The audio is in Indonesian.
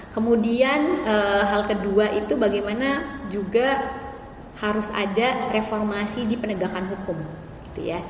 kemudian hal kedua itu bagaimana juga harus ada reformasi di penegakan hukum gitu ya